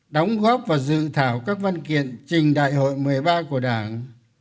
đóng góp vào dự thảo các văn kiện trình đại hội một mươi ba của đảng